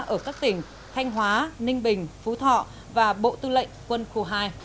ở các tỉnh thanh hóa ninh bình phú thọ và bộ tư lệnh quân khu hai